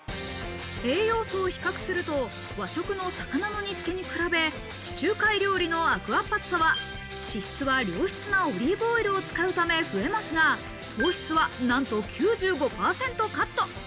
栄養素を比較すると、和食の魚の煮付けに比べ、地中海料理のアクアパッツァは脂質は良質なオリーブオイルを使うため増えますが、糖質はなんと９５％カット。